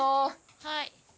はい。